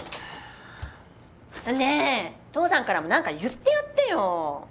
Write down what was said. ねえ父さんからも何か言ってやってよ！